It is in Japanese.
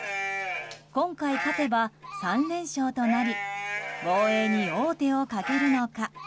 今回勝てば３連勝となり防衛に王手をかけるのか。